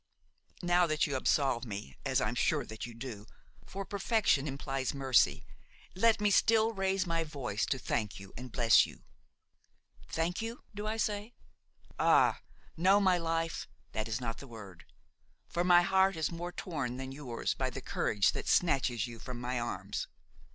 "Now that you absolve me–as I am sure that you do, for perfection implies mercy–let me still raise my voice to thank you and bless you. Thank you, do I say? Ah! no, my life, that is not the word; for my heart is more torn than yours by the courage that snatches you from my arms.